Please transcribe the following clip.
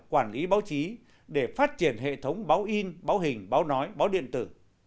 quản lý báo chí để phát triển hệ thống báo in báo hình báo nói báo điện tử